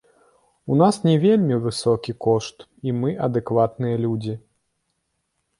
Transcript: У нас не вельмі высокі кошт, і мы адэкватныя людзі.